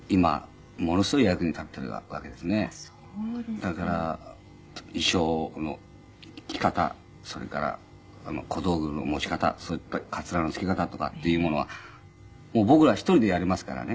だから衣装の着方それから小道具の持ち方それからやっぱりカツラの付け方とかっていうものはもう僕は１人でやれますからね。